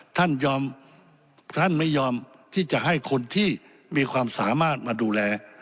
ท่านยอมท่านไม่ยอมที่จะให้คนที่มีความสามารถมาดูแล